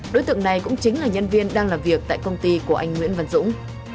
đối tượng này cũng chính là nhân viên đang làm việc tại công ty của anh nguyễn văn dũng